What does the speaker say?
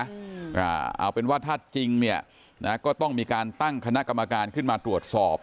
อ่าเอาเป็นว่าถ้าจริงเนี่ยนะก็ต้องมีการตั้งคณะกรรมการขึ้นมาตรวจสอบ